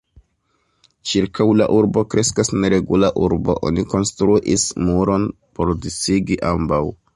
Ĉirkaŭ la urbo kreskas neregula urbo, oni konstruis muron por disigi ambaŭ.